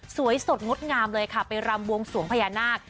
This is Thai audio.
สวยสดงดงามเลยค่ะไปรำบวงสวงพญานาค